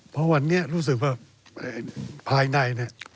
เพราะวันนี้รู้สึกว่าภายในเนี่ย